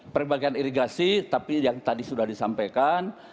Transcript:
perbaikan irigasi tapi yang tadi sudah disampaikan